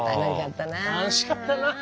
楽しかったなあ。